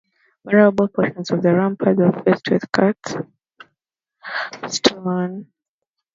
Vulnerable portions of the ramparts were faced with cut stone.